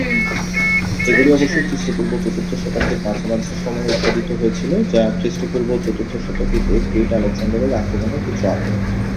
এগুলি অবশ্যই খ্রীস্টপূর্ব চতুর্থ শতাব্দীর মাঝামাঝি সময়ে উৎপাদিত হয়েছিল, যা খ্রীস্টপূর্ব চতুর্থ শতাব্দীতে গ্রেট আলেকজান্ডারের আক্রমণের কিছু আগে।